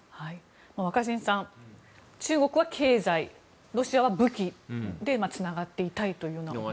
若新さん、中国は経済ロシアは武器でつながっていたいということですが。